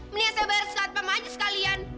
mending saya bayar sekat pemaju sekalian